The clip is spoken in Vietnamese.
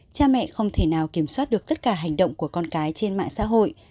cha mẹ không thể nào kiểm soát được tất cả hành động của con cái trên mạng xã hội